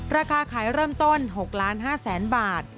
ราคาขายเริ่มต้น๖๕๐๐๐๐บาท